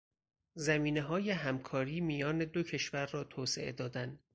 زمینههای همکاری میان دو کشور را توسعه دادن